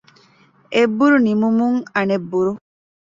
އެއްބުރު ނިމުމުން އަނެއް ބުރު